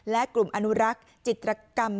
และกลุ่มอนุรักษ์จิตรกรรม